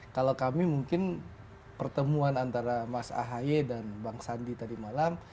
kalau kami mungkin pertemuan antara mas ahy dan bang sandi tadi malam